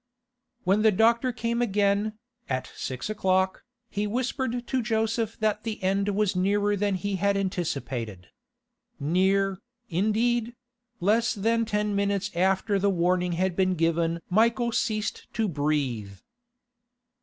When the doctor came again, at six o'clock, he whispered to Joseph that the end was nearer than he had anticipated. Near, indeed; less than ten minutes after the warning had been given Michael ceased to breathe.